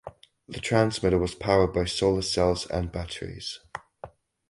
The transmitter was powered by solar cells and batteries.